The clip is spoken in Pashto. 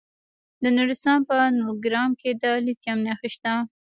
د نورستان په نورګرام کې د لیتیم نښې شته.